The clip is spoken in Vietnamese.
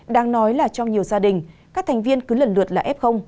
đang nói là trong nhiều gia đình các thành viên cứ lần lượt là f